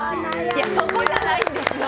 そこじゃないんですよ